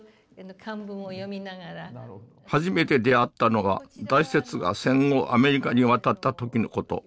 初めて出会ったのは大拙が戦後アメリカに渡った時の事。